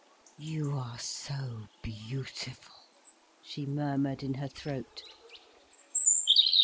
"You are so beautiful," she murmured in her throat.